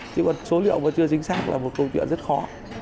chứ còn số liệu nó chưa chính xác là một câu chuyện rất khó